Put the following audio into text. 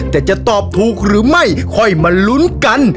แต่จะตอบถูกหรือไม่ค่อยมาลุ้นกัน